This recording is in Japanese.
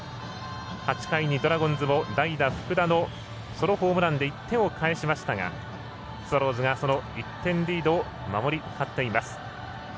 ８回にドラゴンズは代打福田のソロホームランで１点をかえしましたがスワローズがその１点リードを守り勝っています。